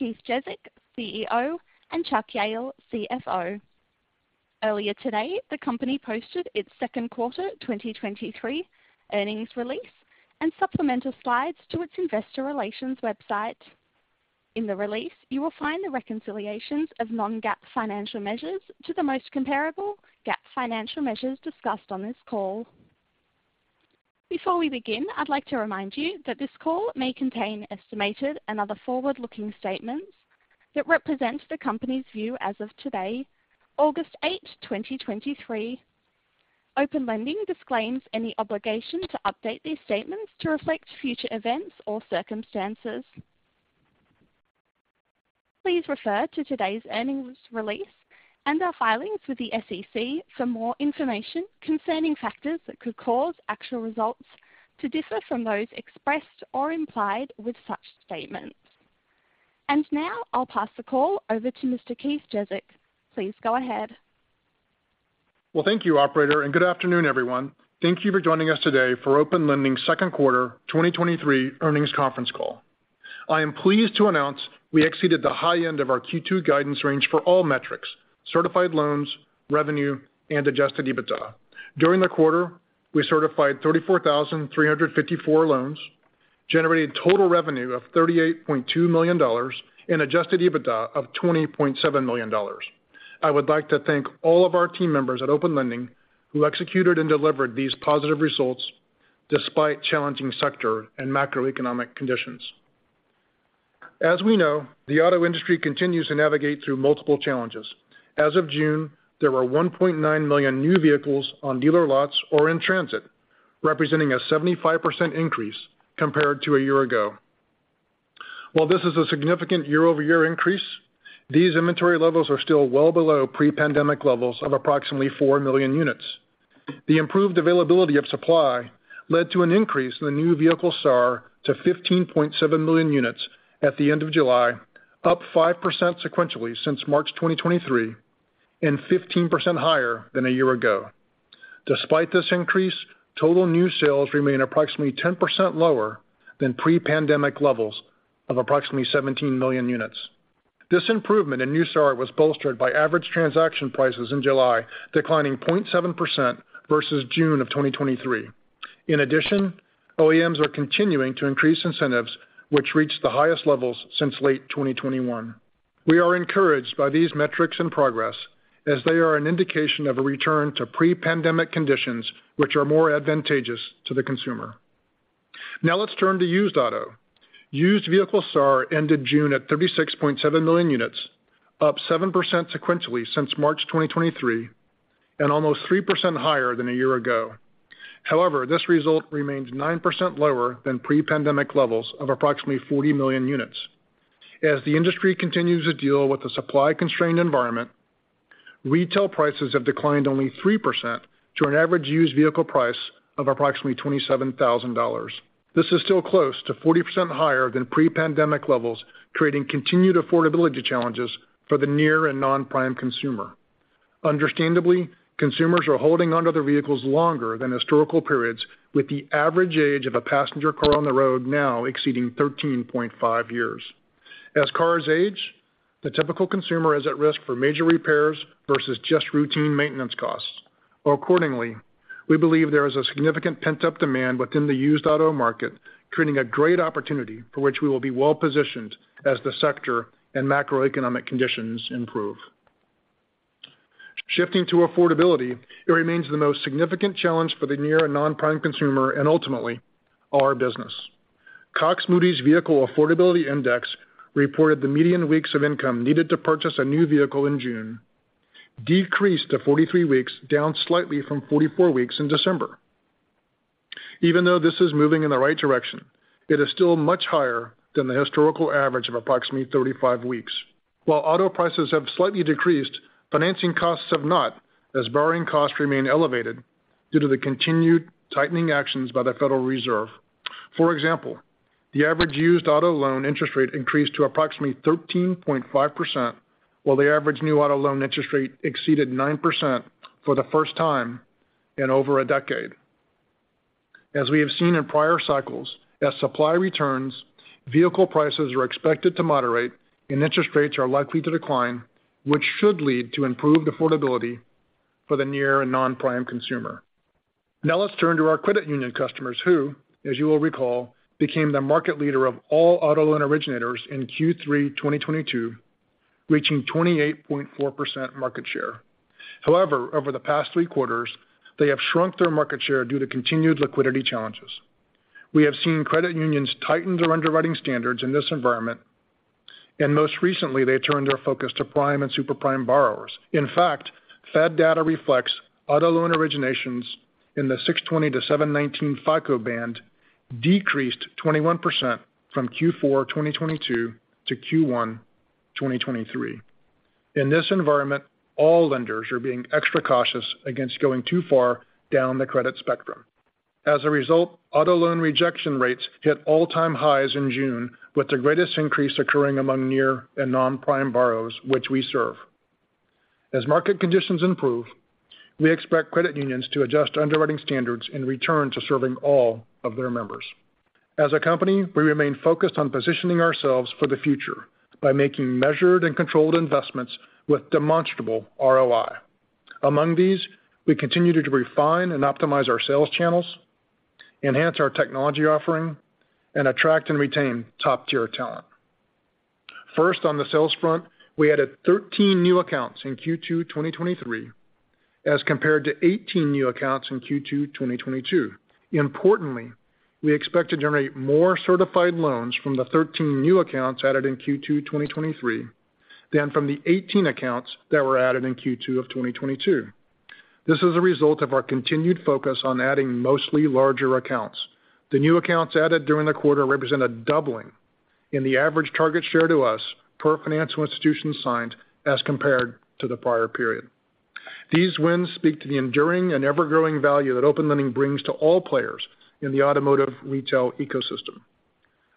Keith Jezek, CEO, and Chuck Jehl, CFO. Earlier today, the company posted its second quarter 2023 earnings release and supplemental slides to its investor relations website. In the release, you will find the reconciliations of non-GAAP financial measures to the most comparable GAAP financial measures discussed on this call. Before we begin, I'd like to remind you that this call may contain estimated and other forward-looking statements that represent the company's view as of today, August 8, 2023. Open Lending disclaims any obligation to update these statements to reflect future events or circumstances. Please refer to today's earnings release and our filings with the SEC for more information concerning factors that could cause actual results to differ from those expressed or implied with such statements. Now I'll pass the call over to Mr. Keith Jezek. Please go ahead. Well, thank you, operator, and good afternoon, everyone. Thank you for joining us today for Open Lending second quarter 2023 earnings conference call. I am pleased to announce we exceeded the high end of our Q2 guidance range for all metrics, certified loans, revenue, and Adjusted EBITDA. During the quarter, we certified 34,354 loans, generating total revenue of $38.2 million and Adjusted EBITDA of $20.7 million. I would like to thank all of our team members at Open Lending who executed and delivered these positive results despite challenging sector and macroeconomic conditions. As we know, the auto industry continues to navigate through multiple challenges. As of June, there were 1.9 million new vehicles on dealer lots or in transit, representing a 75% increase compared to a year ago. While this is a significant year-over-year increase, these inventory levels are still well below pre-pandemic levels of approximately four million units. The improved availability of supply led to an increase in the new vehicle SAR to 15.7 million units at the end of July, up 5% sequentially since March 2023, and 15% higher than a year ago. Despite this increase, total new sales remain approximately 10% lower than pre-pandemic levels of approximately 17 million units. This improvement in new SAR was bolstered by average transaction prices in July, declining 0.7% versus June 2023. In addition, OEMs are continuing to increase incentives, which reached the highest levels since late 2021. We are encouraged by these metrics and progress as they are an indication of a return to pre-pandemic conditions, which are more advantageous to the consumer. Now let's turn to used auto. Used vehicle SAR ended June at 36.7 million units, up 7% sequentially since March 2023, and almost 3% higher than a year ago. However, this result remains 9% lower than pre-pandemic levels of approximately 40 million units. As the industry continues to deal with the supply-constrained environment, retail prices have declined only 3% to an average used vehicle price of approximately $27,000. This is still close to 40% higher than pre-pandemic levels, creating continued affordability challenges for the near and non-prime consumer. Understandably, consumers are holding onto their vehicles longer than historical periods, with the average age of a passenger car on the road now exceeding 13.5 years. As cars age, the typical consumer is at risk for major repairs versus just routine maintenance costs. Well, accordingly, we believe there is a significant pent-up demand within the used auto market, creating a great opportunity for which we will be well-positioned as the sector and macroeconomic conditions improve. Shifting to affordability, it remains the most significant challenge for the near and non-prime consumer and ultimately, our business. Cox, Moody's Vehicle Affordability Index reported the median weeks of income needed to purchase a new vehicle in June decreased to 43 weeks, down slightly from 44 weeks in December. Even though this is moving in the right direction, it is still much higher than the historical average of approximately 35 weeks. While auto prices have slightly decreased, financing costs have not, as borrowing costs remain elevated due to the continued tightening actions by the Federal Reserve. For example, the average used auto loan interest rate increased to approximately 13.5%, while the average new auto loan interest rate exceeded 9% for the first time in over a decade. As we have seen in prior cycles, as supply returns, vehicle prices are expected to moderate and interest rates are likely to decline, which should lead to improved affordability for the near and non-prime consumer. Let's turn to our credit union customers, who, as you will recall, became the market leader of all auto loan originators in Q3 2022, reaching 28.4% market share. Over the past 3 quarters, they have shrunk their market share due to continued liquidity challenges. We have seen credit unions tighten their underwriting standards in this environment, and most recently, they turned their focus to prime and super prime borrowers. In fact, Fed data reflects auto loan originations in the 620 to 719 FICO band decreased 21% from Q4 2022 to Q1 2023. In this environment, all lenders are being extra cautious against going too far down the credit spectrum. As a result, auto loan rejection rates hit all-time highs in June, with the greatest increase occurring among near and non-prime borrowers, which we serve. As market conditions improve, we expect credit unions to adjust underwriting standards and return to serving all of their members. As a company, we remain focused on positioning ourselves for the future by making measured and controlled investments with demonstrable ROI. Among these, we continue to refine and optimize our sales channels, enhance our technology offering, and attract and retain top-tier talent. First, on the sales front, we added 13 new accounts in Q2 2023, as compared to 18 new accounts in Q2 2022. Importantly, we expect to generate more certified loans from the 13 new accounts added in Q2 2023 than from the 18 accounts that were added in Q2 of 2022. This is a result of our continued focus on adding mostly larger accounts. The new accounts added during the quarter represent a doubling in the average target share to us per financial institution signed as compared to the prior period. These wins speak to the enduring and ever-growing value that Open Lending brings to all players in the automotive retail ecosystem.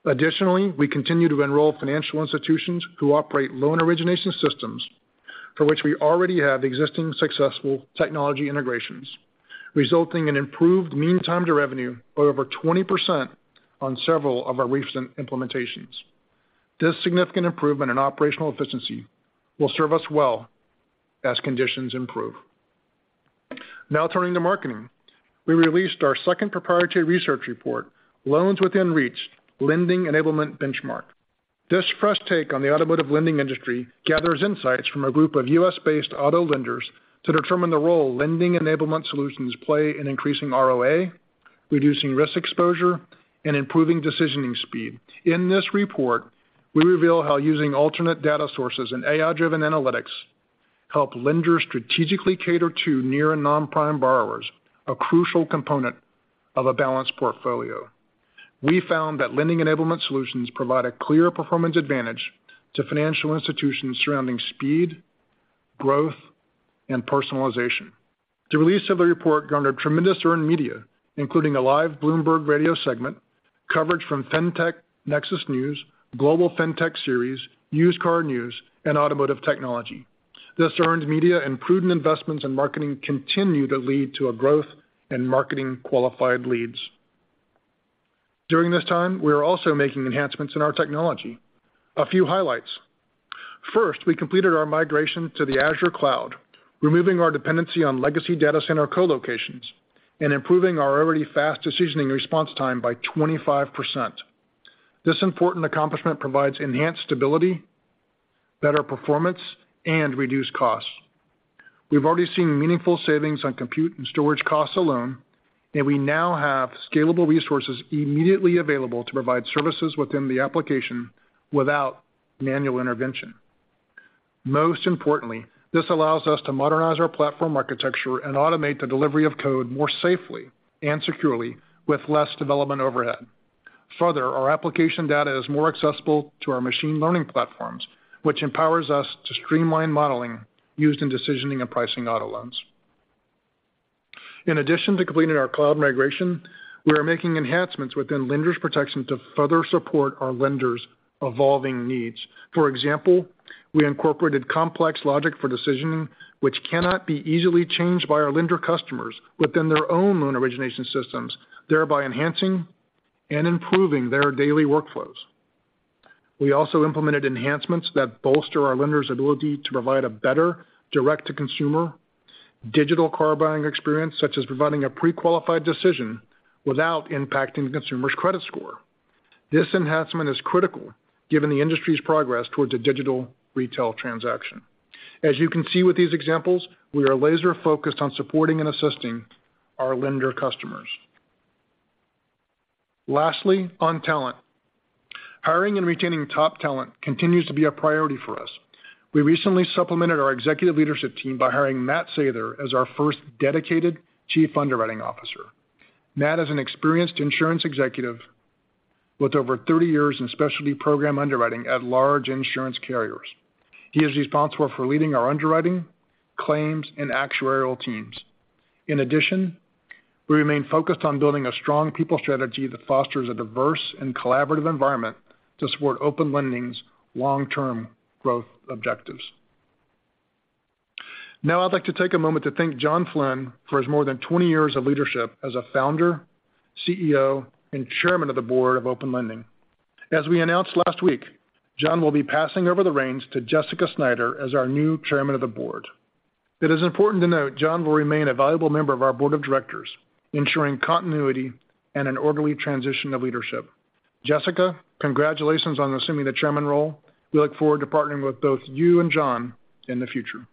Additionally, we continue to enroll financial institutions who operate loan origination systems, for which we already have existing successful technology integrations, resulting in improved mean time to revenue of over 20% on several of our recent implementations. This significant improvement in operational efficiency will serve us well as conditions improve. Now, turning to marketing. We released our second proprietary research report, Loans Within Reach: Lending Enablement Benchmark. This fresh take on the automotive lending industry gathers insights from a group of U.S.-based auto lenders to determine the role lending enablement solutions play in increasing ROA, reducing risk exposure, and improving decisioning speed. In this report, we reveal how using alternate data sources and AI-driven analytics help lenders strategically cater to near and non-prime borrowers, a crucial component of a balanced portfolio. We found that lending enablement solutions provide a clear performance advantage to financial institutions surrounding speed, growth, and personalization. The release of the report garnered tremendous earned media, including a live Bloomberg Radio segment, coverage from Fintech Nexus News, Global Fintech Series, Used Car News, and Automotive Technology. This earned media and prudent investments in marketing continue to lead to a growth in marketing qualified leads. During this time, we are also making enhancements in our technology. A few highlights: first, we completed our migration to the Azure cloud, removing our dependency on legacy data center co-locations and improving our already fast decisioning response time by 25%. This important accomplishment provides enhanced stability, better performance, and reduced costs. We've already seen meaningful savings on compute and storage costs alone, and we now have scalable resources immediately available to provide services within the application without manual intervention. Most importantly, this allows us to modernize our platform architecture and automate the delivery of code more safely and securely, with less development overhead. Further, our application data is more accessible to our machine learning platforms, which empowers us to streamline modeling used in decisioning and pricing auto loans. In addition to completing our cloud migration, we are making enhancements within Lenders Protection to further support our lenders' evolving needs. For example, we incorporated complex logic for decisioning, which cannot be easily changed by our lender customers within their own loan origination systems, thereby enhancing and improving their daily workflows. We also implemented enhancements that bolster our lenders' ability to provide a better direct-to-consumer digital car buying experience, such as providing a pre-qualified decision without impacting the consumer's credit score. This enhancement is critical given the industry's progress towards a digital retail transaction. As you can see with these examples, we are laser-focused on supporting and assisting our lender customers. Lastly, on talent. Hiring and retaining top talent continues to be a priority for us. We recently supplemented our executive leadership team by hiring Matt Sather as our first dedicated Chief Underwriting Officer. Matt Sather is an experienced insurance executive with over 30 years in specialty program underwriting at large insurance carriers. He is responsible for leading our underwriting, claims, and actuarial teams. In addition, we remain focused on building a strong people strategy that fosters a diverse and collaborative environment to support Open Lending's long-term growth objectives. Now, I'd like to take a moment to thank John Flynn for his more than 20 years of leadership as a founder, CEO, and chairman of the board of Open Lending. As we announced last week, John will be passing over the reins to Jessica Snyder as our new chairman of the board. It is important to note, John will remain a valuable member of our board of directors, ensuring continuity and an orderly transition of leadership. Jessica, congratulations on assuming the chairman role. We look forward to partnering with both you and John in the future.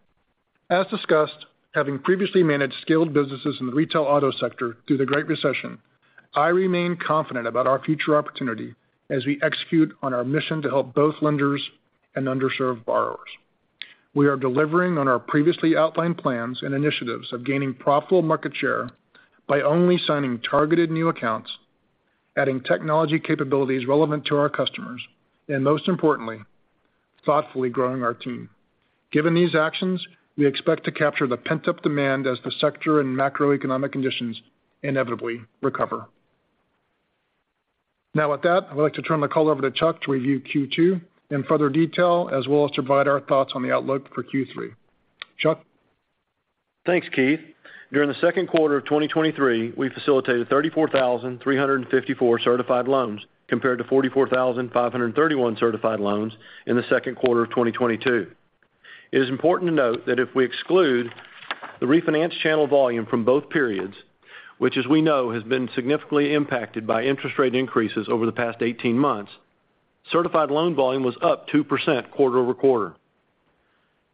As discussed, having previously managed scaled businesses in the retail auto sector through the Great Recession, I remain confident about our future opportunity as we execute on our mission to help both lenders and underserved borrowers. We are delivering on our previously outlined plans and initiatives of gaining profitable market share by only signing targeted new accounts, adding technology capabilities relevant to our customers, and most importantly, thoughtfully growing our team. Given these actions, we expect to capture the pent-up demand as the sector and macroeconomic conditions inevitably recover.... With that, I would like to turn the call over to Chuck to review Q2 in further detail, as well as to provide our thoughts on the outlook for Q3. Chuck? Thanks, Keith. During the second quarter of 2023, we facilitated 34,354 certified loans, compared to 44,531 certified loans in the second quarter of 2022. It is important to note that if we exclude the refinance channel volume from both periods, which as we know, has been significantly impacted by interest rate increases over the past 18 months, certified loan volume was up 2% quarter-over-quarter.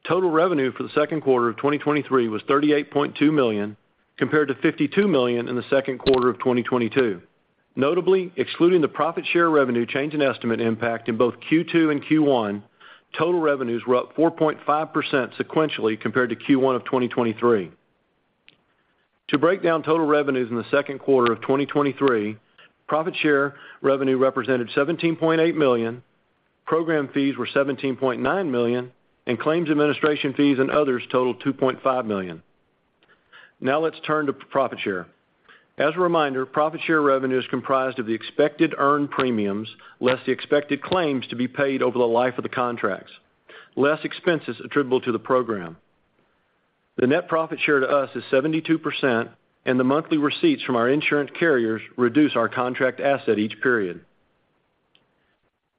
Total revenue for the second quarter of 2023 was $38.2 million, compared to $52 million in the second quarter of 2022. Notably, excluding the profit share revenue change in estimate impact in both Q2 and Q1, total revenues were up 4.5% sequentially compared to Q1 of 2023. To break down total revenues in the second quarter of 2023, profit share revenue represented $17.8 million, program fees were $17.9 million, and claims administration fees and others totaled $2.5 million. Let's turn to profit share. As a reminder, profit share revenue is comprised of the expected earned premiums, less the expected claims to be paid over the life of the contracts, less expenses attributable to the program. The net profit share to us is 72%, and the monthly receipts from our insurance carriers reduce our contract asset each period.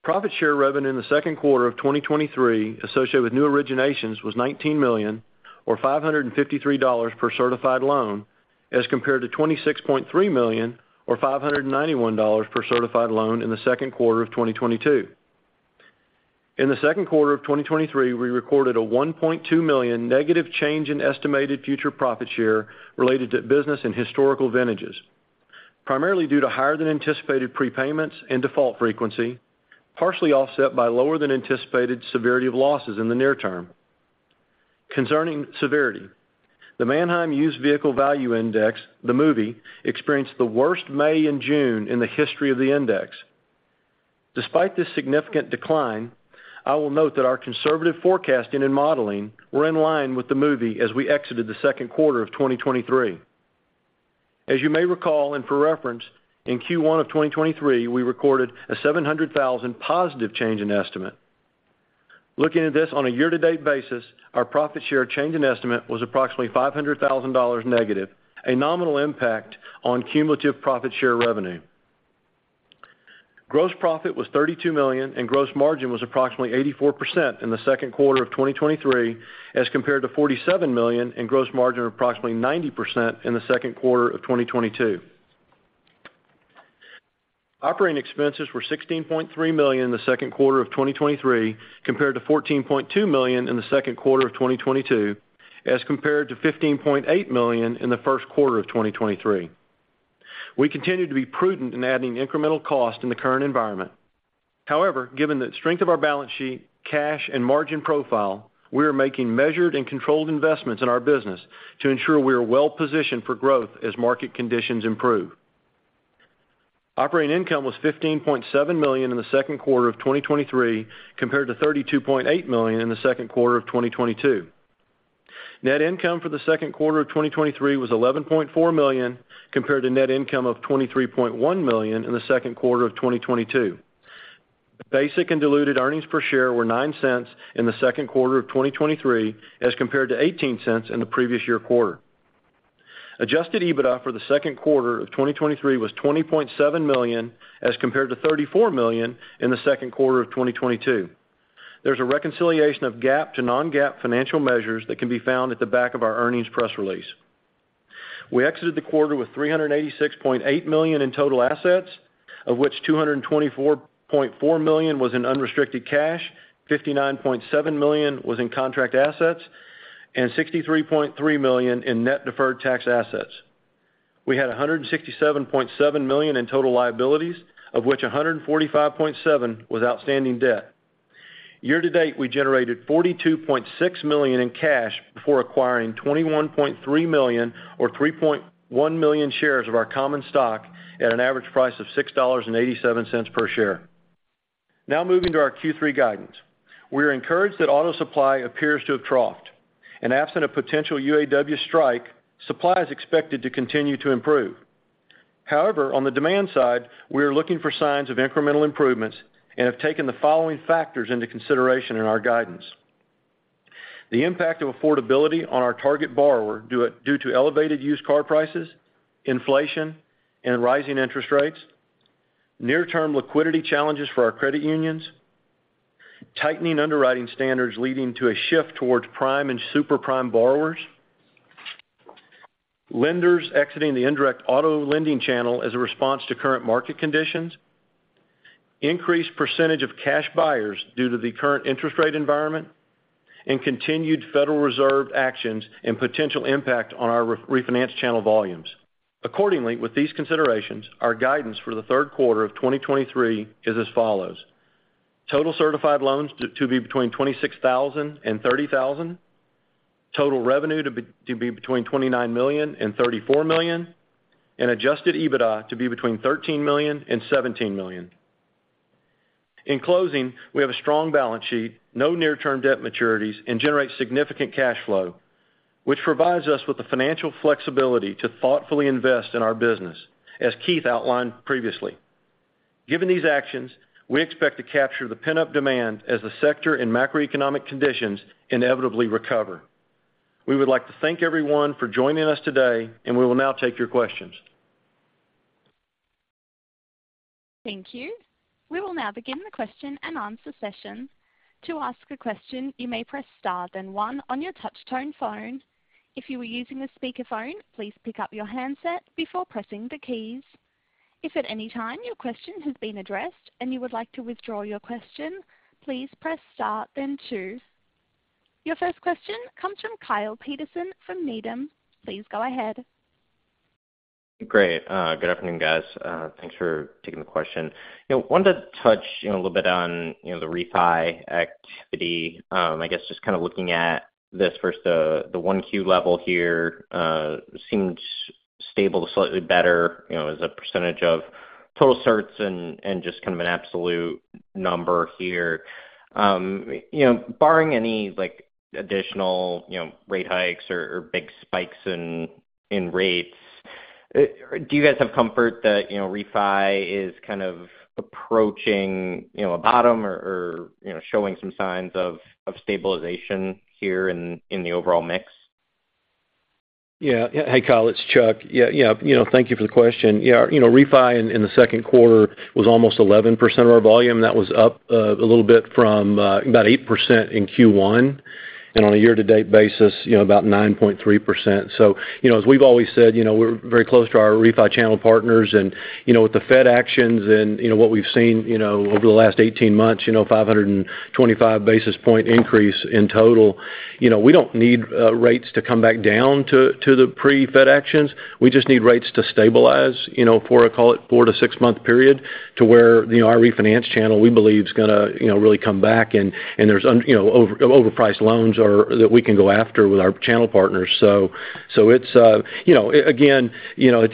Profit share revenue in the second quarter of 2023, associated with new originations, was $19 million or $553 per certified loan, as compared to $26.3 million or $591 per certified loan in the second quarter of 2022. In the second quarter of 2023, we recorded a $1.2 million negative change in estimated future profit share related to business and historical vintages, primarily due to higher than anticipated prepayments and default frequency, partially offset by lower than anticipated severity of losses in the near term. Concerning severity, the Manheim Used Vehicle Value Index, the MUVVI, experienced the worst May and June in the history of the index. Despite this significant decline, I will note that our conservative forecasting and modeling were in line with the MUVVI as we exited the second quarter of 2023. As you may recall, for reference, in Q1 of 2023, we recorded a $700,000 positive change in estimate. Looking at this on a year-to-date basis, our profit share change in estimate was approximately $500,000 negative, a nominal impact on cumulative profit share revenue. Gross profit was $32 million, gross margin was approximately 84% in the second quarter of 2023, as compared to $47 million, and gross margin of approximately 90% in the second quarter of 2022. Operating expenses were $16.3 million in the second quarter of 2023, compared to $14.2 million in the second quarter of 2022, as compared to $15.8 million in the first quarter of 2023. We continue to be prudent in adding incremental cost in the current environment. Given the strength of our balance sheet, cash, and margin profile, we are making measured and controlled investments in our business to ensure we are well-positioned for growth as market conditions improve. Operating income was $15.7 million in the second quarter of 2023, compared to $32.8 million in the second quarter of 2022. Net income for the second quarter of 2023 was $11.4 million, compared to net income of $23.1 million in the second quarter of 2022. Basic and diluted earnings per share were $0.09 in the second quarter of 2023, as compared to $0.18 in the previous year quarter. Adjusted EBITDA for the second quarter of 2023 was $20.7 million, as compared to $34 million in the second quarter of 2022. There is a reconciliation of GAAP to non-GAAP financial measures that can be found at the back of our earnings press release. We exited the quarter with $386.8 million in total assets, of which $224.4 million was in unrestricted cash, $59.7 million was in contract assets, and $63.3 million in net deferred tax assets. We had $167.7 million in total liabilities, of which $145.7 was outstanding debt. Year to date, we generated $42.6 million in cash before acquiring $21.3 million or 3.1 million shares of our common stock at an average price of $6.87 per share. Moving to our Q3 guidance. We are encouraged that auto supply appears to have troughed, and absent a potential UAW strike, supply is expected to continue to improve. On the demand side, we are looking for signs of incremental improvements and have taken the following factors into consideration in our guidance. The impact of affordability on our target borrower due to elevated used car prices, inflation, and rising interest rates, near-term liquidity challenges for our credit unions, tightening underwriting standards leading to a shift towards prime and super prime borrowers, lenders exiting the indirect auto lending channel as a response to current market conditions, increased percentage of cash buyers due to the current interest rate environment, and continued Federal Reserve actions and potential impact on our re- refinance channel volumes. Accordingly, with these considerations, our guidance for the third quarter of 2023 is as follows: Total certified loans to be between 26,000 and 30,000, total revenue to be between $29 million and $34 million, and adjusted EBITDA to be between $13 million and $17 million. In closing, we have a strong balance sheet, no near-term debt maturities, and generate significant cash flow, which provides us with the financial flexibility to thoughtfully invest in our business, as Keith outlined previously. Given these actions, we expect to capture the pent-up demand as the sector and macroeconomic conditions inevitably recover. We would like to thank everyone for joining us today, and we will now take your questions. Thank you. We will now begin the question and answer session. To ask a question, you may press star, then one on your touchtone phone. If you are using a speakerphone, please pick up your handset before pressing the keys. If at any time your question has been addressed and you would like to withdraw your question, please press star, then two. Your first question comes from Kyle Peterson from Needham. Please go ahead. Great. Good afternoon, guys. Thanks for taking the question. You know, wanted to touch, you know, a little bit on, you know, the refi activity. I guess just kind of looking at this versus the, the 1Q level here, seems stable, slightly better, you know, as a % of total certs and, and just kind of an absolute number here. You know, barring any, like, additional, you know, rate hikes or, or big spikes in, in rates, do you guys have comfort that, you know, refi is kind of approaching, you know, a bottom or, or, you know, showing some signs of, of stabilization here in, in the overall mix? Yeah. Hey, Kyle, it's Chuck. Yeah, yeah, you know, thank you for the question. Yeah, you know, refi in the second quarter was almost 11% of our volume. That was up a little bit from about 8% in Q1, and on a year-to-date basis, you know, about 9.3%. As we've always said, you know, we're very close to our refi channel partners and, you know, with the Fed actions and, you know, what we've seen, you know, over the last 18 months, you know, 525 basis point increase in total. You know, we don't need rates to come back down to the pre-Fed actions. We just need rates to stabilize, you know, for, I call it, four to six-month period, to where, you know, our refinance channel, we believe, is gonna, you know, really come back and, and there's you know, over, overpriced loans that we can go after with our channel partners. It's, you know, again, you know,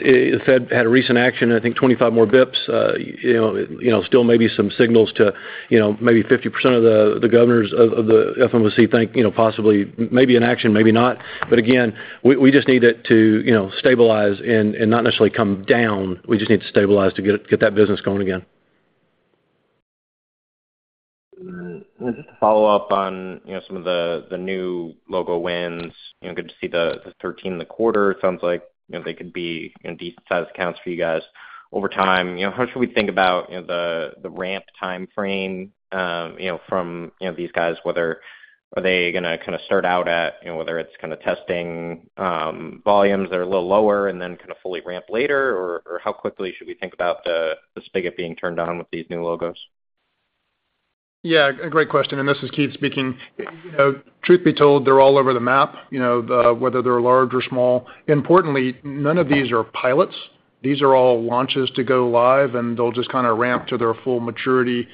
Fed had a recent action, I think 25 more bips, you know, still maybe some signals to, you know, maybe 50% of the governors of the FOMC think, you know, possibly maybe an action, maybe not. Again, we just need it to, you know, stabilize and not necessarily come down. We just need to stabilize to get, get that business going again. Just to follow up on, you know, some of the, the new logo wins, you know, good to see the, the 13 in the quarter. It sounds like, you know, they could be decent-sized accounts for you guys over time. You know, how should we think about, you know, the, the ramp timeframe, you know, from, you know, these guys? Whether are they gonna kind of start out at, you know, whether it's kind of testing, volumes that are a little lower and then kind of fully ramp later, or, or how quickly should we think about the, the spigot being turned on with these new logos? Yeah, great question. This is Keith speaking. You know, truth be told, they're all over the map, you know, whether they're large or small. Importantly, none of these are pilots. These are all launches to go live. They'll just kind of ramp to their full maturity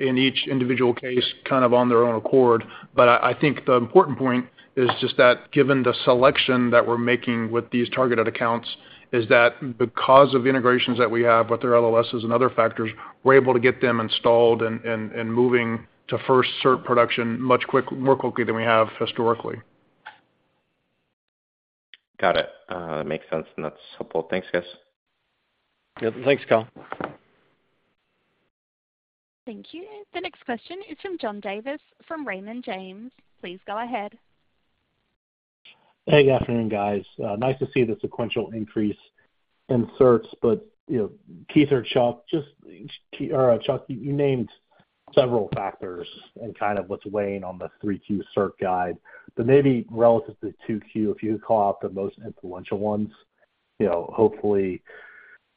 in each individual case, kind of on their own accord. I, I think the important point is just that given the selection that we're making with these targeted accounts, is that because of the integrations that we have with their LOSs and other factors, we're able to get them installed and, and, and moving to first cert production more quickly than we have historically. Got it. makes sense, and that's helpful. Thanks, guys. Yeah. Thanks, Kyle. Thank you. The next question is from John Davis from Raymond James. Please go ahead. Hey, good afternoon, guys. nice to see the sequential increase in certs, but, you know, Keith or Chuck, just or Chuck, you named several factors in kind of what's weighing on the three Q cert guide, but maybe relative to two Q, if you could call out the most influential ones. You know, hopefully,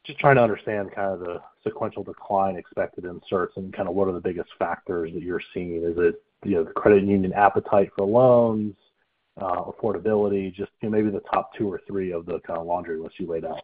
just trying to understand kind of the sequential decline expected in certs and kind of what are the biggest factors that you're seeing. Is it, you know, the credit union appetite for loans, affordability, just, you know, maybe the top two or three of the kind of laundry list you laid out?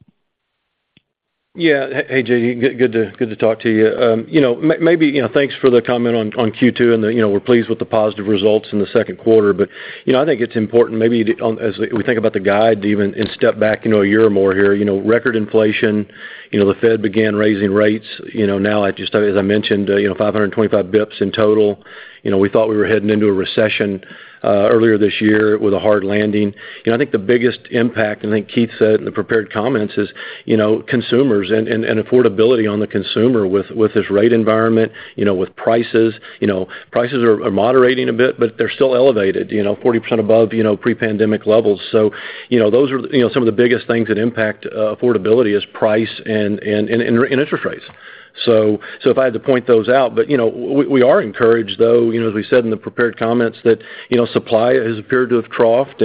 Yeah. Hey, John, good to, good to talk to you. You know, maybe, you know, thanks for the comment on, on Q2 and the, you know, we're pleased with the positive results in the second quarter, but, you know, I think it's important, maybe, as we think about the guide, to even step back, you know, a year or more here. You know, record inflation, you know, the Fed began raising rates, you know, now, as I mentioned, you know, 525 bips in total. You know, we thought we were heading into a recession, earlier this year with a hard landing. You know, I think the biggest impact, and I think Keith said in the prepared comments, is, you know, consumers and, and affordability on the consumer with, with this rate environment, you know, with prices. You know, prices are, are moderating a bit, but they're still elevated, you know, 40 above, you know, pre-pandemic levels. You know, those are, you know, some of the biggest things that impact affordability is price and interest rates. So if I had to point those out, you know, we are encouraged, though, you know, as we said in the prepared comments, that, you know, supply has appeared to have troughed,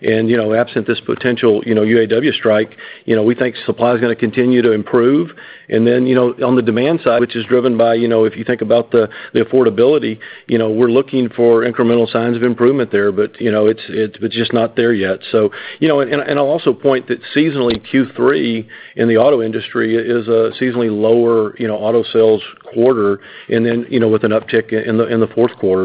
you know, absent this potential, you know, UAW strike, you know, we think supply is gonna continue to improve. Then, you know, on the demand side, which is driven by, you know, if you think about the, the affordability, you know, we're looking for incremental signs of improvement there, you know, it's, it's just not there yet. You know, and, and I'll also point that seasonally, Q3 in the auto industry is a seasonally lower, you know, auto sales quarter, and then, you know, with an uptick in the, in the fourth quarter.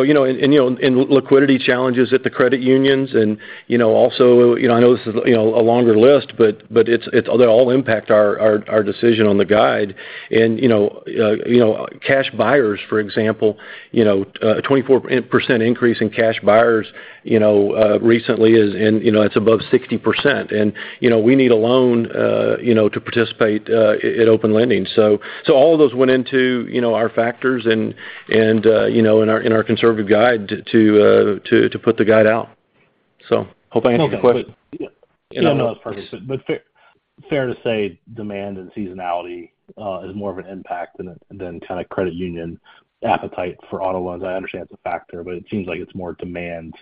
You know, and, you know, and liquidity challenges at the credit unions and, you know, also, you know, I know this is, you know, a longer list, but, but it's they all impact our, our, our decision on the guide. You know, you know, cash buyers, for example, you know, 24% increase in cash buyers, you know, recently is, and, you know, it's above 60%. You know, we need a loan, you know, to participate at Open Lending. All of those went into, you know, our factors and, and, you know, in our, in our conservative guide to, to, to put the guide out. Hope I answered the question. Fair, fair to say demand and seasonality is more of an impact than kind of credit union appetite for auto loans. I understand it's a factor, but it seems like it's more demand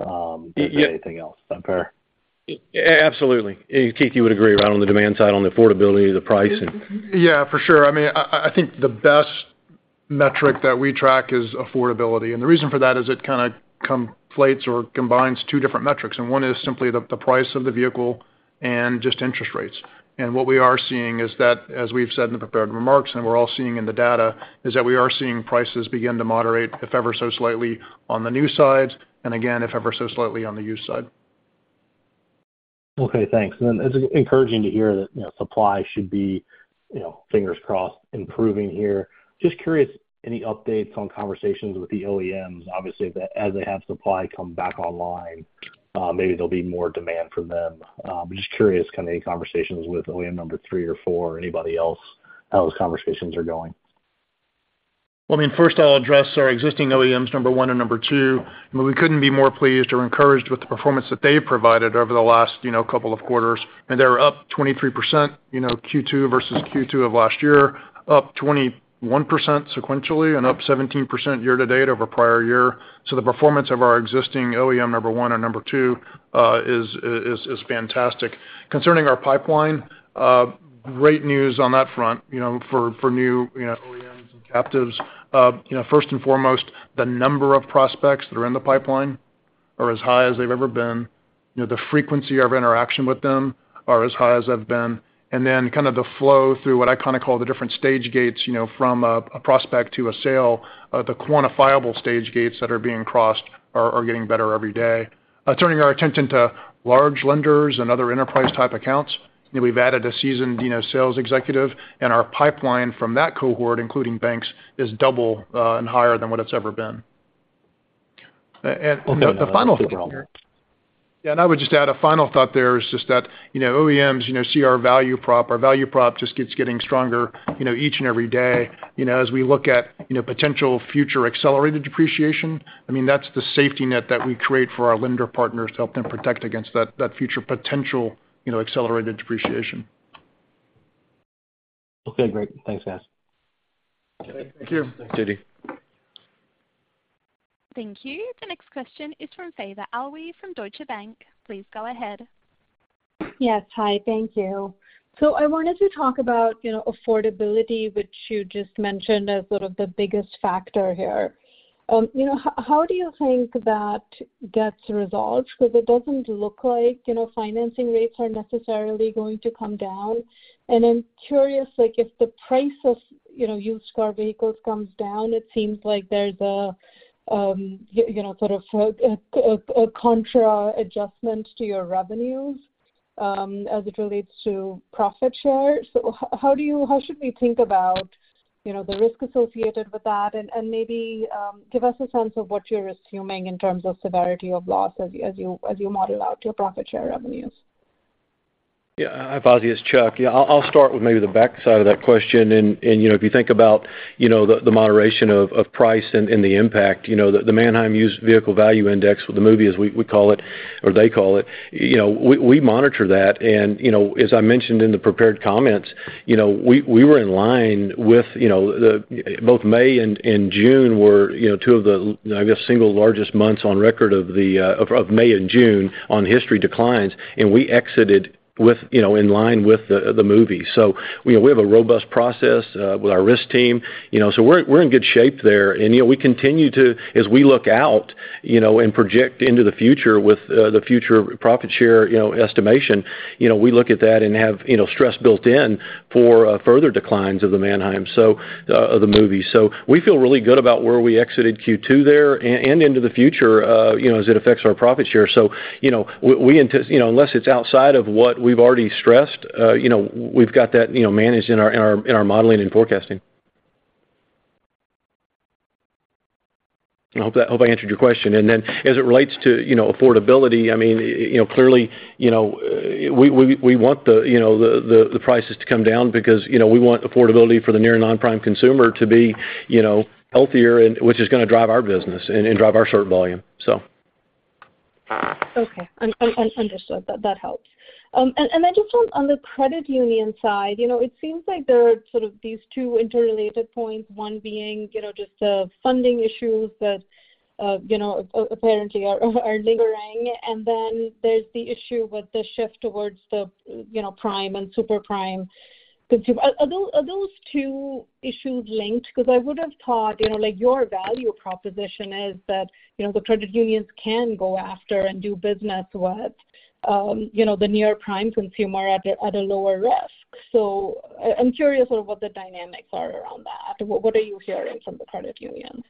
than anything else. Is that fair? absolutely. Keith, you would agree, right, on the demand side, on the affordability, the price, and- Yeah, for sure. I mean, I think the best metric that we track is affordability. The reason for that is it kind of conflates or combines two different metrics, and one is simply the, the price of the vehicle and just interest rates. What we are seeing is that, as we've said in the prepared remarks and we're all seeing in the data, is that we are seeing prices begin to moderate, if ever so slightly, on the new sides, and again, if ever so slightly, on the used side. Okay, thanks. It's encouraging to hear that, you know, supply should be, you know, fingers crossed, improving here. Just curious, any updates on conversations with the OEMs? Obviously, as they have supply come back online, maybe there'll be more demand from them. I'm just curious, kind of any conversations with OEM number three or four or anybody else, how those conversations are going? Well, I mean, first, I'll address our existing OEMs, number one and number two. I mean, we couldn't be more pleased or encouraged with the performance that they provided over the last, you know, couple of quarters, and they're up 23%, you know, Q2 versus Q2 of last year, up 21% sequentially and up 17% year-to-date over prior year. The performance of our existing OEM number one and number two is, is, is fantastic. Concerning our pipeline, great news on that front, you know, for, for new, you know, OEMs and captives. You know, first and foremost, the number of prospects that are in the pipeline are as high as they've ever been. You know, the frequency of interaction with them are as high as I've been. Then kind of the flow through what I kind of call the different stage gates, you know, from a, a prospect to a sale, the quantifiable stage gates that are being crossed are, are getting better every day. Turning our attention to large lenders and other enterprise-type accounts, you know, we've added a seasoned, you know, sales executive, and our pipeline from that cohort, including banks, is double, and higher than what it's ever been. The, the final thing. Yeah, and I would just add a final thought there is just that, you know, OEMs, you know, see our value prop. Our value prop just keeps getting stronger, you know, each and every day. You know, as we look at, you know, potential future accelerated depreciation, I mean, that's the safety net that we create for our lender partners to help them protect against that, that future potential, you know, accelerated depreciation. Okay, great. Thanks, guys. Okay, thank you. Thank you. Thank you. The next question is from Faiza Alwy from Deutsche Bank. Please go ahead. Yes, hi, thank you. I wanted to talk about, you know, affordability, which you just mentioned as sort of the biggest factor here. You know, how do you think that gets resolved? Because it doesn't look like, you know, financing rates are necessarily going to come down. I'm curious, like, if the price of, you know, used car vehicles comes down, it seems like there's a, you know, sort of a contra adjustment to your revenues as it relates to profit share. How should we think about, you know, the risk associated with that? And maybe give us a sense of what you're assuming in terms of severity of loss as you model out your profit share revenues. Yeah, Faiza, it's Chuck. Yeah, I'll start with maybe the back side of that question. You know, if you think about, you know, the moderation of price and the impact, you know, the Manheim Used Vehicle Value Index or the MUVVI, as we call it, or they call it, you know, we monitor that. You know, as I mentioned in the prepared comments, you know, we were in line with. Both May and June were, you know, two of the, I guess, single largest months on record of May and June on history declines, and we exited with, you know, in line with the MUVVI. You know, we have a robust process with our risk team. You know, we're in good shape there. You know, we continue to, as we look out, you know, and project into the future with the future profit share, you know, estimation, you know, we look at that and have, you know, stress built in for further declines of the Manheim, so the MUVVI. We feel really good about where we exited Q2 there and into the future, you know, as it affects our profit share. You know, unless it's outside of what we've already stressed, you know, we've got that, you know, managed in our, in our, in our modeling and forecasting. I hope I answered your question. As it relates to, you know, affordability, I mean, you know, clearly, we, we, we want the, you know, the, the, the prices to come down because, you know, we want affordability for the near non-prime consumer to be, you know, healthier, and which is going to drive our business and, and drive our short volume. Okay, understood. That, that helps. Then just on the credit union side, you know, it seems like there are sort of these two interrelated points, one being, you know, just the funding issues that, you know, apparently are lingering. Then there's the issue with the shift towards the, you know, prime and super prime consumer. Are those, are those two issues linked? Because I would have thought, you know, like, your value proposition is that, you know, the credit unions can go after and do business with the near-prime consumer at a lower risk. So I'm curious sort of what the dynamics are around that. What are you hearing from the credit unions?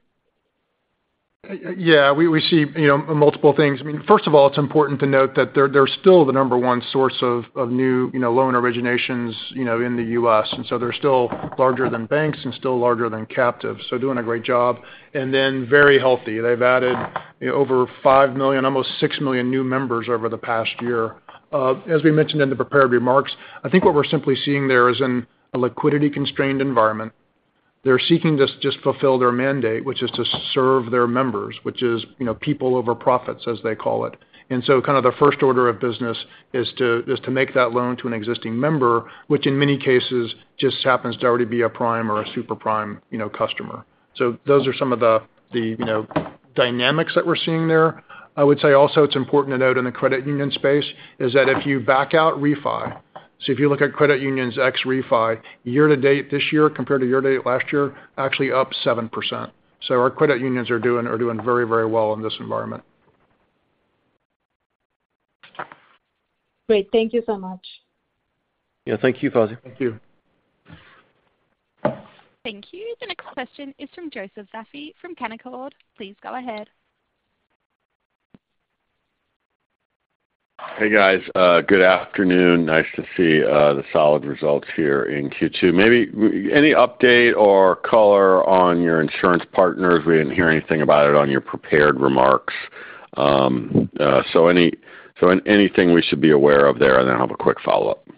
Yeah, we, we see, you know, multiple things. I mean, first of all, it's important to note that they're, they're still the number one source of, of new, you know, loan originations, you know, in the U.S. They're still larger than banks and still larger than captives, so doing a great job. Very healthy. They've added, you know, over five million, almost six million new members over the past year. As we mentioned in the prepared remarks, I think what we're simply seeing there is a liquidity-constrained environment. They're seeking just fulfill their mandate, which is to serve their members, which is, you know, people over profits, as they call it. Kind of the first order of business is to make that loan to an existing member, which in many cases, just happens to already be a prime or a super prime, you know, customer. Those are some of the, you know, dynamics that we're seeing there. I would say also, it's important to note in the credit union space, is that if you back out refi, if you look at credit unions ex-refi, year to date this year compared to year date last year, actually up 7%. Our credit unions are doing very, very well in this environment. Great. Thank you so much. Yeah, thank you, Faiza. Thank you. Thank you. The next question is from Joseph Vafi from Canaccord. Please go ahead. Hey, guys, good afternoon. Nice to see the solid results here in Q2. Maybe any update or color on your insurance partners? We didn't hear anything about it on your prepared remarks. Anything we should be aware of there? I'll have a quick follow-up.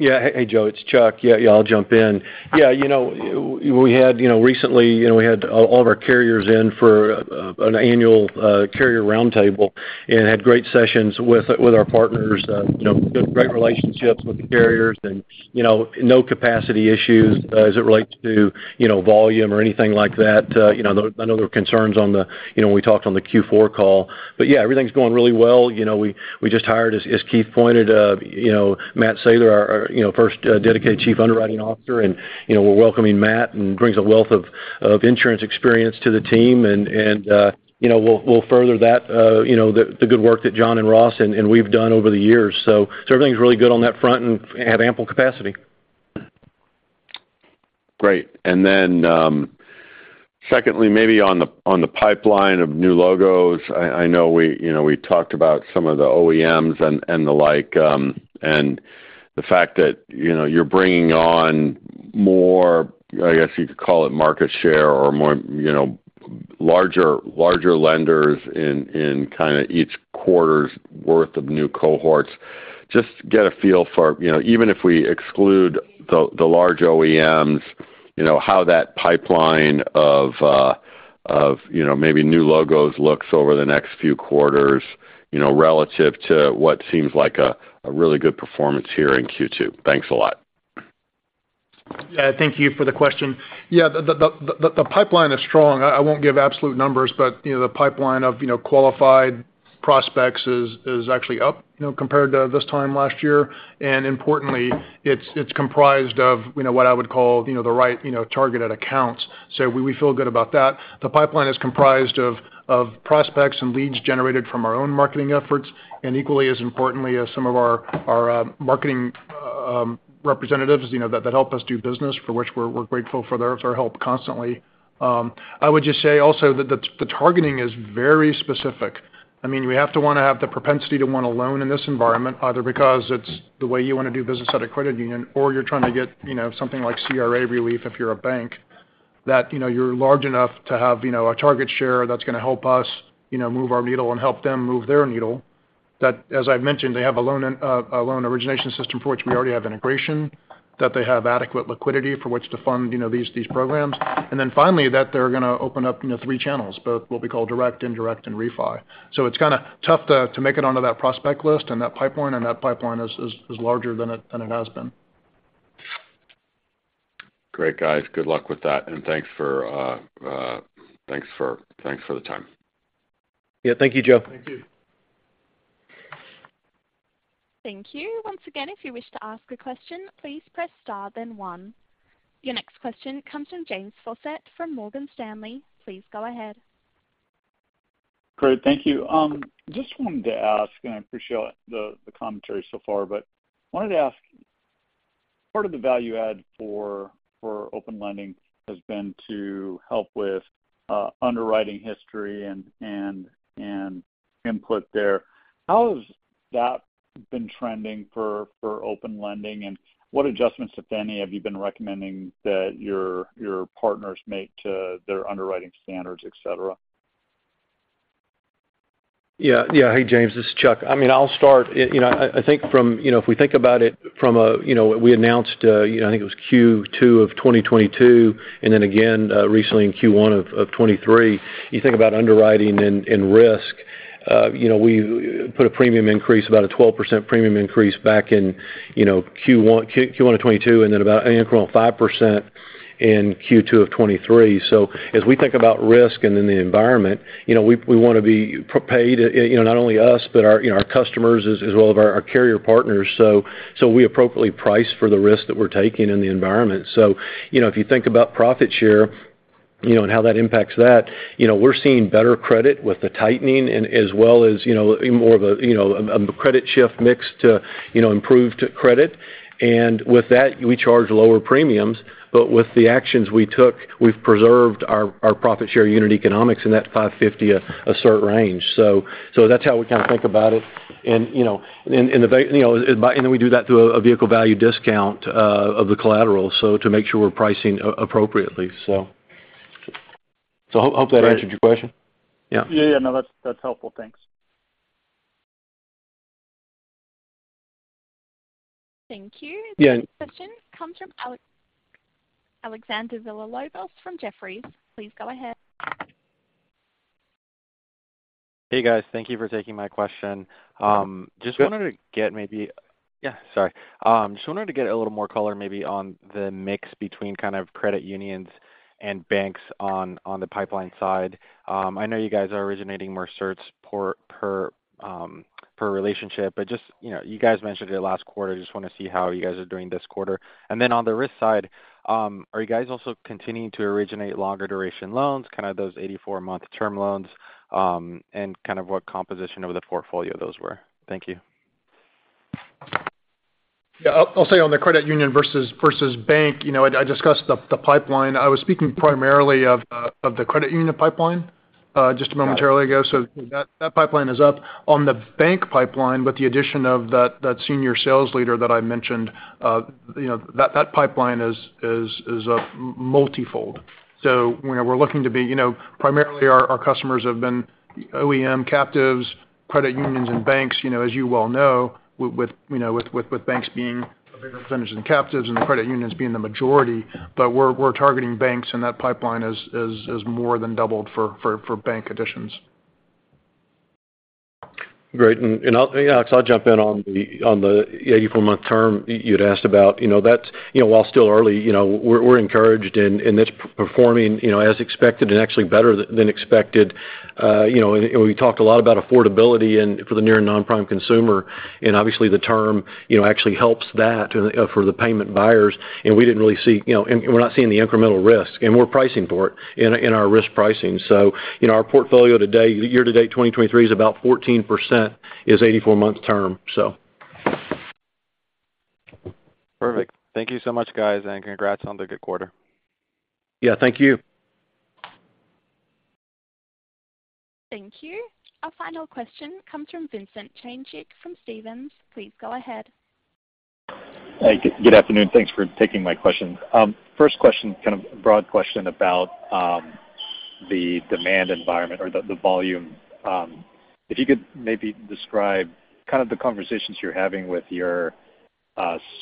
Yeah. Hey, Joe, it's Chuck. Yeah, yeah, I'll jump in. Yeah, you know, we had, you know, recently, you know, we had all of our carriers in for an annual carrier roundtable and had great sessions with, with our partners, you know, built great relationships with the carriers and, you know, no capacity issues as it relates to, you know, volume or anything like that. You know, I know there were concerns on the. You know, when we talked on the Q4 call. Yeah, everything's going really well. You know, we, we just hired, as, as Keith pointed, you know, Matt Sather, our, you know, first dedicated Chief Underwriting Officer, and, you know, we're welcoming Matt, and brings a wealth of, of insurance experience to the team. You know, we'll, we'll further that, you know, the, the good work that John and Ross and we've done over the years. Everything's really good on that front and have ample capacity. Great. Secondly, maybe on the, on the pipeline of new logos, I, I know we, you know, we talked about some of the OEMs and, and the like, and the fact that, you know, you're bringing on more, I guess you could call it, market share or more, you know, larger, larger lenders in, in kinda each quarter's worth of new cohorts. Just to get a feel for, you know, even if we exclude the, the large OEMs, you know, how that pipeline of, of, you know, maybe new logos looks over the next few quarters, you know, relative to what seems like a, a really good performance here in Q2. Thanks a lot. Yeah, thank you for the question. Yeah, the, the, the, the pipeline is strong. I, I won't give absolute numbers, but, you know, the pipeline of, you know, qualified prospects is, is actually up, you know, compared to this time last year. Importantly, it's, it's comprised of, you know, what I would call, you know, the right, you know, targeted accounts. We, we feel good about that. The pipeline is comprised of, of prospects and leads generated from our own marketing efforts, and equally as importantly, as some of our, our marketing representatives, you know, that, that help us do business for which we're, we're grateful for their, for their help constantly. I would just say also that the, the targeting is very specific. I mean, we have to wanna have the propensity to want a loan in this environment, either because it's the way you wanna do business at a credit union, or you're trying to get, you know, something like CRA relief, if you're a bank. That, you know, you're large enough to have, you know, a target share that's gonna help us, you know, move our needle and help them move their needle. That, as I've mentioned, they have a loan in, a loan origination system for which we already have integration, that they have adequate liquidity for which to fund, you know, these, these programs. Finally, that they're gonna open up, you know, three channels, both what we call direct, indirect, and refi. It's kinda tough to make it onto that prospect list and that pipeline, and that pipeline is larger than it has been. Great, guys. Good luck with that, and thanks for, thanks for the time. Yeah, thank you, Joe. Thank you. Thank you. Once again, if you wish to ask a question, please press Star, then One. Your next question comes from James Faucette from Morgan Stanley. Please go ahead. Great, thank you. Just wanted to ask, and I appreciate the, the commentary so far, but wanted to ask, part of the value add for Open Lending has been to help with underwriting history and, and, and input there. How has that been trending for Open Lending, and what adjustments, if any, have you been recommending that your, your partners make to their underwriting standards, et cetera? Yeah. Yeah. Hey, James, this is Chuck. I mean, I'll start. You know, I, I think from, you know, if we think about it from a, you know, we announced, I think it was Q2 of 2022, and then again, recently in Q1 of 2023, you think about underwriting and, and risk, you know, we put a premium increase, about a 12% premium increase back in, you know, Q1, Q1 of 2022, and then about an incremental 5% in Q2 of 2023. As we think about risk and in the environment, you know, we, we wanna be paid, you know, not only us, but our, you know, our customers as, as well as our, our carrier partners. We appropriately price for the risk that we're taking in the environment. you know, if you think about profit share, you know, and how that impacts that, you know, we're seeing better credit with the tightening, and as well as, you know, more of a, you know, a credit shift mix to, you know, improve credit. With that, we charge lower premiums, but with the actions we took, we've preserved our, our profit share unit economics in that 550 a cert range. So that's how we kinda think about it. you know, and, and you know, and by, and then we do that to a, a vehicle value discount of the collateral, so to make sure we're pricing appropriately. So hope, hope that answered your question? Yeah. Yeah, yeah. No, that's, that's helpful. Thanks. Thank you. Yeah- The next question comes from Alejandro Villalobos from Jefferies. Please go ahead. Hey, guys. Thank you for taking my question. Just wanted to get maybe... Yeah, sorry. Just wanted to get a little more color maybe on the mix between kind of credit unions and banks on, on the pipeline side. I know you guys are originating more certs per, per, per relationship, but just, you know, you guys mentioned it last quarter. I just want to see how you guys are doing this quarter. Then on the risk side, are you guys also continuing to originate longer-duration loans, kind of those 84-month term loans? And kind of what composition of the portfolio those were. Thank you. Yeah, I'll, I'll say on the credit union versus, versus bank, you know, I discussed the, the pipeline. I was speaking primarily of, of the credit union pipeline, just momentarily ago. That, that pipeline is up. On the bank pipeline, with the addition of that, that senior sales leader that I mentioned, you know, that, that pipeline is, is, is, multifold. You know, we're looking to be... You know, primarily our, our customers have been OEM captives, credit unions, and banks, you know, as you well know, with, you know, with, with, with banks being a bigger percentage than captives and the credit unions being the majority. We're, we're targeting banks, and that pipeline has, has, has more than doubled for, for, for bank additions. Great. I'll, yeah, so I'll jump in on the, on the 84-month term you'd asked about. You know, that's, you know, while still early, you know, we're, we're encouraged in, in this performing, you know, as expected and actually better than expected. You know, we talked a lot about affordability and for the near and non-prime consumer, and obviously, the term, you know, actually helps that, for the payment buyers. We didn't really see... You know, and we're not seeing the incremental risk, and we're pricing for it in, in our risk pricing. You know, our portfolio today, year to date, 2023, is about 14%, is 84-month term, so. Perfect. Thank you so much, guys. Congrats on the good quarter. Yeah, thank you. Thank you. Our final question comes from Vincent Caintic from Stephens. Please go ahead. Hi, good afternoon. Thanks for taking my question. First question, kind of a broad question about the demand environment or the volume. If you could maybe describe kind of the conversations you're having with your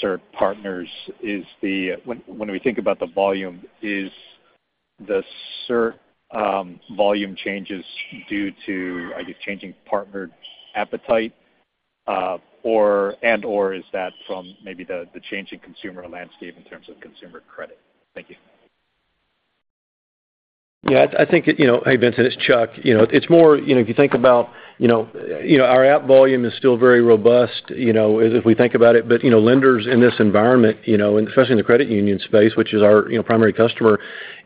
cert partners. When we think about the volume, is the cert volume changes due to, I guess, changing partner appetite, or, and/or is that from maybe the changing consumer landscape in terms of consumer credit? Thank you. Yeah, I think it, you know. Hey, Vincent, it's Chuck. It's more, you know, if you think about, you know, our app volume is still very robust, you know, if we think about it. Lenders in this environment, you know, and especially in the credit union space, which is our, you know, primary customer,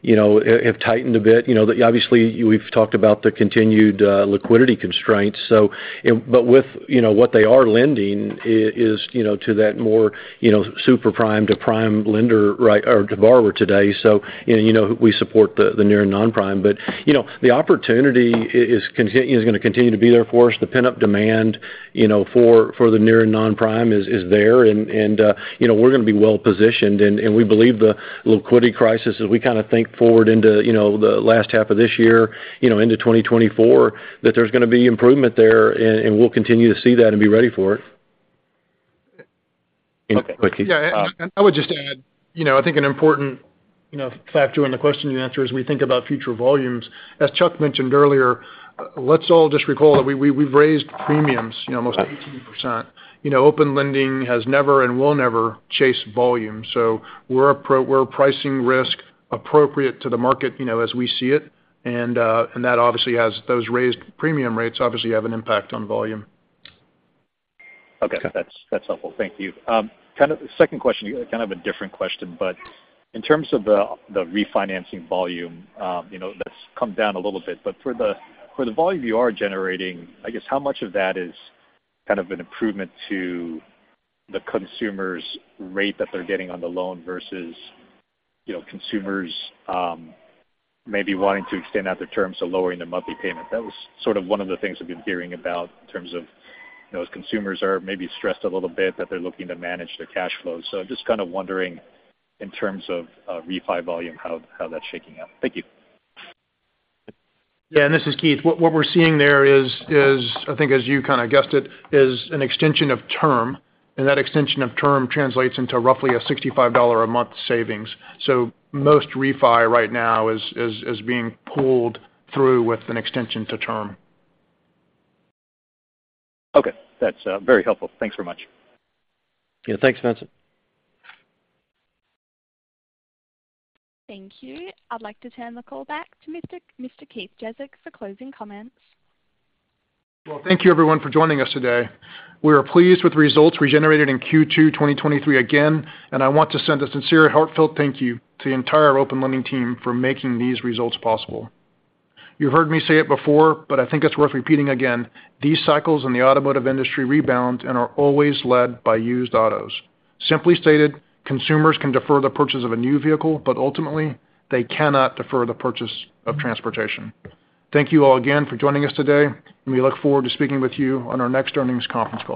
you know, have tightened a bit. Obviously, we've talked about the continued liquidity constraints. With, you know, what they are lending is, you know, to that more, you know, super prime to prime lender, right, or to borrower today. We support the near and non-prime, but, you know, the opportunity is gonna continue to be there for us. The pent-up demand, you know, for, for the near and non-prime is, is there, and, you know, we're gonna be well-positioned. We believe the liquidity crisis, as we kind of think forward into, you know, the last half of this year, you know, into 2024, that there's gonna be improvement there, and we'll continue to see that and be ready for it. Okay. Quickie. Yeah, I would just add, you know, I think an important, you know, factor in the question and answer as we think about future volumes. As Chuck mentioned earlier, let's all just recall that we, we, we've raised premiums, you know, almost 18%. You know, Open Lending has never and will never chase volume, so we're pricing risk appropriate to the market, you know, as we see it. That obviously has those raised premium rates, obviously have an impact on volume. Okay. That's, that's helpful. Thank you. Second question, kind of a different question, but in terms of the refinancing volume, you know, that's come down a little bit. For the volume you are generating, I guess, how much of that is kind of an improvement to the consumer's rate that they're getting on the loan versus, you know, consumers maybe wanting to extend out the terms of lowering their monthly payment? That was sort of one of the things we've been hearing about in terms of, you know, as consumers are maybe stressed a little bit, that they're looking to manage their cash flows. Just kind of wondering, in terms of refi volume, how that's shaking out. Thank you. Yeah, this is Keith. What we're seeing there, I think as you kind of guessed it, is an extension of term, and that extension of term translates into roughly a $65 a month savings. Most refi right now is being pulled through with an extension to term. Okay. That's very helpful. Thanks very much. Yeah. Thanks, Vincent. Thank you. I'd like to turn the call back to Mr. Keith Jezek for closing comments. Well, thank you everyone for joining us today. We are pleased with the results we generated in Q2 2023 again, and I want to send a sincere, heartfelt thank you to the entire Open Lending team for making these results possible. You've heard me say it before, but I think it's worth repeating again, these cycles in the automotive industry rebound and are always led by used autos. Simply stated, consumers can defer the purchase of a new vehicle, but ultimately, they cannot defer the purchase of transportation. Thank you all again for joining us today, and we look forward to speaking with you on our next earnings conference call.